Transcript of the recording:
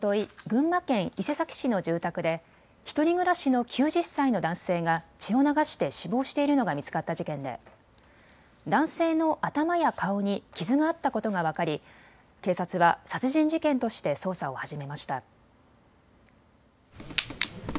群馬県伊勢崎市の住宅で１人暮らしの９０歳の男性が血を流して死亡しているのが見つかった事件で男性の頭や顔に傷があったことが分かり警察は殺人事件として捜査を始めました。